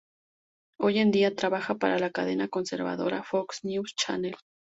Hoy en día, trabaja para la cadena conservadora Fox News Channel.